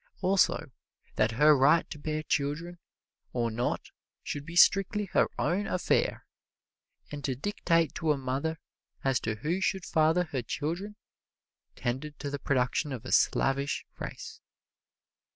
Also, that her right to bear children or not should be strictly her own affair, and to dictate to a mother as to who should father her children tended to the production of a slavish race.